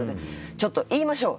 ちょっと言いましょう！